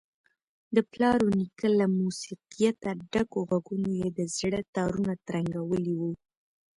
د پلار ونیکه له موسیقیته ډکو غږونو یې د زړه تارونه ترنګولي وو.